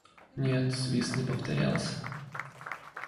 Нет, свист не повторялся.